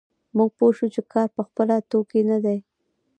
موږ پوه شوو چې کار په خپله توکی نه دی